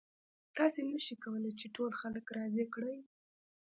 تاسې نشئ کولی چې ټول خلک راضي کړئ.